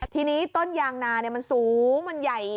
ทีนี้ต้นยางนามันสูงมันใหญ่